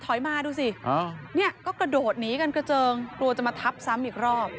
ทอยมาดูสิมันก็กระโดดเอ๊ะกันดีกว่าจะมาถับครอบอีกรอบ